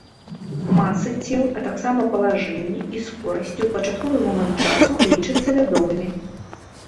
Масы цел, а таксама палажэнні і скорасці ў пачатковы момант часу лічацца вядомымі.